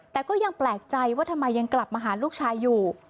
แต่ก็ยังแปลกใจว่าทำไมยังกลับมาหาลูกชายอยู่